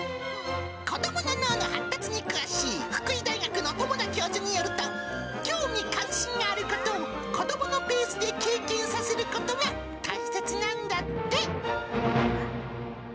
子どもの脳の発達に詳しい福井大学の友田教授によると、興味関心があることを子どものペースで経験させることが大切なんだって。